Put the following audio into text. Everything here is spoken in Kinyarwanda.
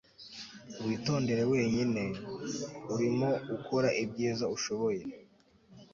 witondere wenyine. urimo ukora ibyiza ushoboye